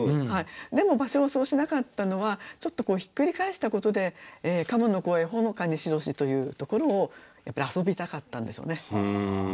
でも芭蕉はそうしなかったのはちょっとひっくり返したことで「鴨の声ほのかに白し」というところをやっぱり遊びたかったんでしょうね。